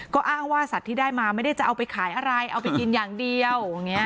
ก็อ้างว่าสัตว์ที่ได้มาไม่ได้จะเอาไปขายอะไรเอาไปกินอย่างเดียวอย่างนี้